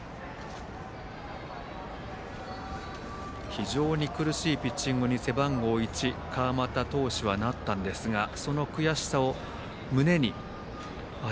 非常に苦しいピッチングに背番号１川又投手はなったんですがその悔しさを胸に。